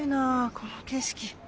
この景色。